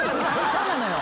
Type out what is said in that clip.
そうなのよ